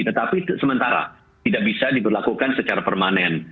tetapi sementara tidak bisa diberlakukan secara permanen